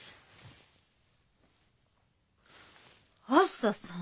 あづささん？